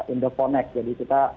indofonek jadi kita